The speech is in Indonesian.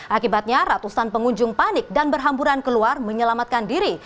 akibatnya ratusan pengunjung panik dan berhamburan keluar menyelamatkan diri